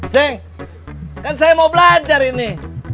ceng kan saya mau belajar ini